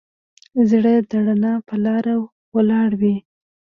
زړه د رڼا په لاره ولاړ وي.